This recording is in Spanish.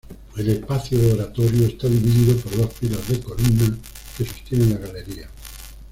El espacio oratorio está dividido por dos filas de columnas que sostienen la galería.